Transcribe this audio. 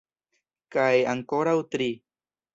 Kaj ankoraŭ tri.